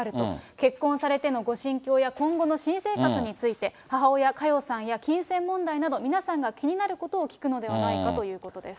結婚されてのご心境や、今後の新生活について、母親、佳代さんや金銭問題など、皆さんが気になることを聞くのではないかということです。